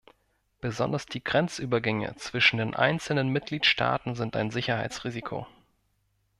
Besonders die Grenzübergänge zwischen den einzelnen Mitgliedstaaten sind ein Sicherheitsrisiko.